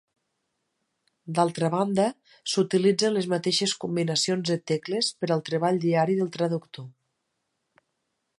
D'altra banda, s'utilitzen les mateixes combinacions de tecles per al treball diari del traductor.